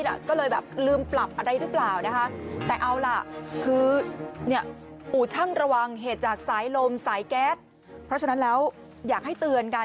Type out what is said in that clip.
หรือไม่ก็อุปกรณ์มันอาจจะมีปัญหา